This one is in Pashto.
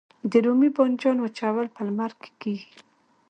د رومي بانجان وچول په لمر کې کیږي؟